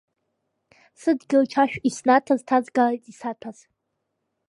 Сыдгьыл чашә иснаҭаз ҭазгалеит, исаҭәаз.